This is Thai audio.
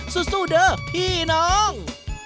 สู้เด้อพี่น้อง